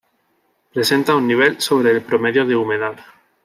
Presenta un nivel sobre el promedio de humedad.